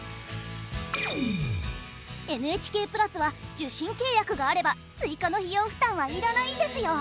ＮＨＫプラスは受信契約があれば追加の費用負担は要らないんですよ。